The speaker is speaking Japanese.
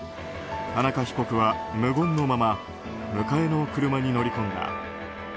田中被告は無言のまま迎えの車に乗り込んだ。